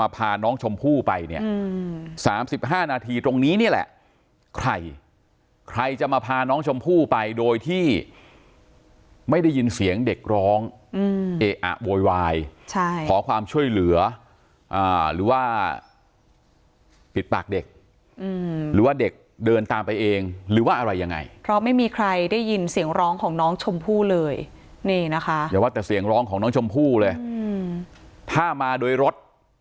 พาน้องชมพู่ไปเนี่ย๓๕นาทีตรงนี้นี่แหละใครใครจะมาพาน้องชมพู่ไปโดยที่ไม่ได้ยินเสียงเด็กร้องเอะอะโวยวายขอความช่วยเหลือหรือว่าปิดปากเด็กหรือว่าเด็กเดินตามไปเองหรือว่าอะไรยังไงเพราะไม่มีใครได้ยินเสียงร้องของน้องชมพู่เลยนี่นะคะอย่าว่าแต่เสียงร้องของน้องชมพู่เลยถ้ามาโดยรถ